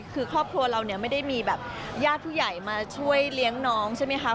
คือครอบครัวเราเนี่ยไม่ได้มีแบบญาติผู้ใหญ่มาช่วยเลี้ยงน้องใช่ไหมคะ